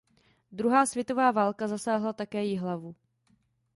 Druhá světová válka zasáhla také Jihlavu.